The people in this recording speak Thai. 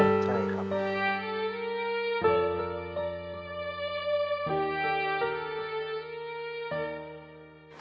ใช่ครับ